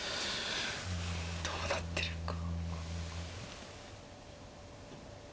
どうなってるか。